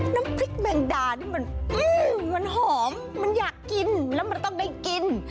น้ำพริกแมงดานี่มันหอมมันอยากกินแล้วมันต้องได้กิน